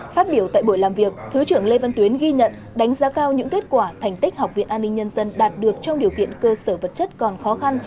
phát biểu tại buổi làm việc thứ trưởng lê văn tuyến ghi nhận đánh giá cao những kết quả thành tích học viện an ninh nhân dân đạt được trong điều kiện cơ sở vật chất còn khó khăn